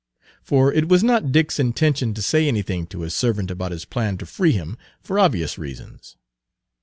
For it was not Dick's intention to say anything to his servant about his plan to free him, for obvious reasons.